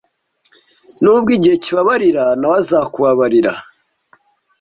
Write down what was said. Nubwo igihe kibabarira, nawe azakubabarira,